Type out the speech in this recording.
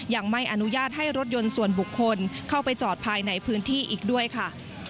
ยังไม่อนุญาตให้รถยนต์ส่วนบุคคลเข้าไปจอดภายในพื้นที่อีกด้วยค่ะ